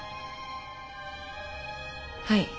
はい。